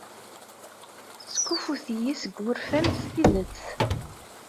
Teskuffut-iyi seg wurfan s tidet.